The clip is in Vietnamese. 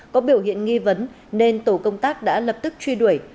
có biểu hiện nghi vấn nên tổ công tác đã lập tức truy đuổi